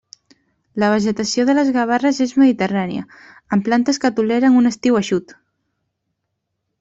La vegetació de les Gavarres és mediterrània, amb plantes que toleren un estiu eixut.